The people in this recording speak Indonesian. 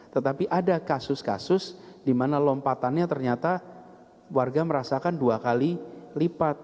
tetapi ada kasus kasus di mana lompatannya ternyata warga merasakan dua kali lipat